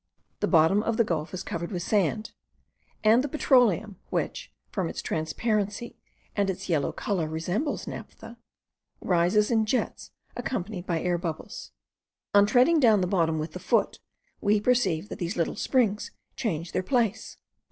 The bottom of the gulf is covered with sand; and the petroleum, which, from its transparency and its yellow colour, resembles naphtha, rises in jets, accompanied by air bubbles. On treading down the bottom with the foot, we perceive that these little springs change their place.